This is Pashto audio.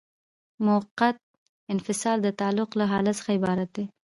موقت انفصال د تعلیق له حالت څخه عبارت دی.